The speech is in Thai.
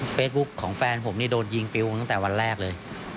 ของแฟนผมนี่โดนยิงปิวตั้งแต่วันแรกเลย